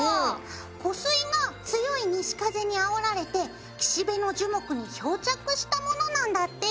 湖水が強い西風にあおられて岸辺の樹木にひょうちゃくしたものなんだって！